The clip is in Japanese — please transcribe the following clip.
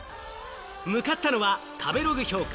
向かったのは食べログ評価